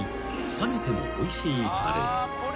冷めてもおいしいカレー］